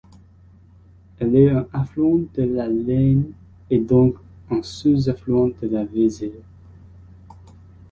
Elle est un affluent de la Leine et donc un sous-affluent de la Weser.